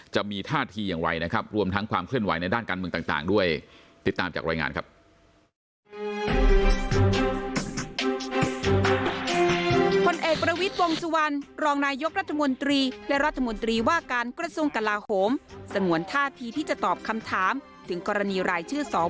จะมีท่าทีอย่างไรนะครับรวมทั้งความเคลื่อนไหวในด้านการเมืองต่างด้วย